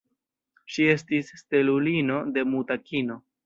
Ŝi estis stelulino de muta kino.